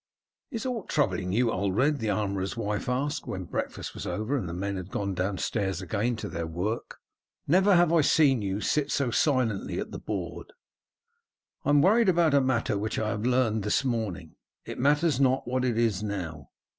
"Is aught troubling you, Ulred?" the armourer's wife asked when breakfast was over and the men had gone downstairs again to their work. "Never have I seen you sit so silently at the board." "I am worried about a matter which I have learned this morning. It matters not what it is now.